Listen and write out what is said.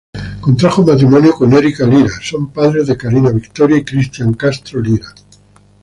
Contrajo matrimonio con Erica Lira son padres de Carina Victoria y Cristian Castro Lira.